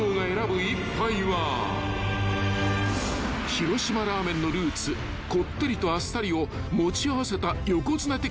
［広島ラーメンのルーツこってりとあっさりを持ち合わせた横綱的ラーメン］